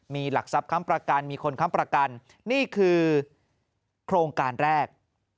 มีหลักทรัพย์ค้ำประกันมีคนค้ำประกันนี่คือโครงการแรก